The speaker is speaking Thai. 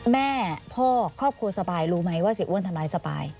แม่พ่อครอบครัวสปายรู้ไหมว่าเสียอ้วนทำร้ายสปาย